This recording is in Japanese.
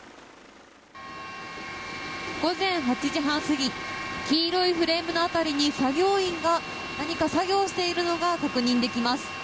午前８時半過ぎ黄色いフレームの辺りに作業員が何か作業しているのが確認できます。